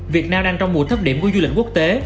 việt nam đang trong mùa thấp điểm của du lịch quốc tế